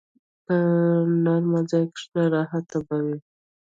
په نرمه ځای کښېنه، راحت به وي.